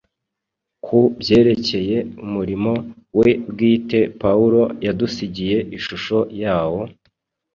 Ku byerekeye umurimo we bwite, Pawulo yadusigiye ishusho yawo,